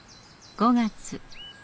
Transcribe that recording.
５月。